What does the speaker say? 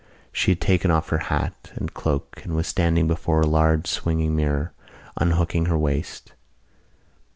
She had taken off her hat and cloak and was standing before a large swinging mirror, unhooking her waist.